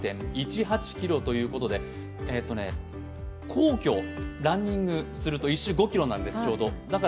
皇居ランニングすると１周５ｋｍなんです、大体。